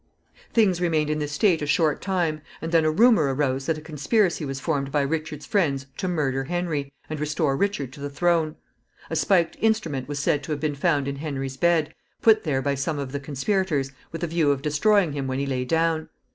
Things remained in this state a short time, and then a rumor arose that a conspiracy was formed by Richard's friends to murder Henry, and restore Richard to the throne. A spiked instrument was said to have been found in Henry's bed, put there by some of the conspirators, with a view of destroying him when he lay down.